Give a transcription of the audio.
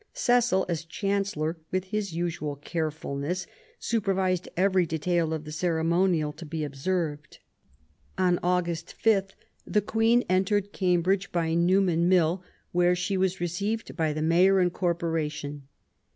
Cecil, as Chancellor, with his usual carefulness, super vised every detail of the ceremonial to be observed. On August 5 the Queen entered Cambridge by Newnham Mill, where she was received by the Mayor and Corporation.